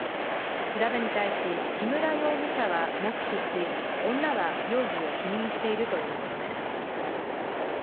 調べに対し、木村容疑者は黙秘し、女は容疑を否認しているということです。